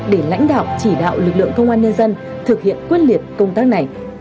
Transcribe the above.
để lãnh đạo chỉ đạo lực lượng công an nhân dân thực hiện quyết liệt công tác này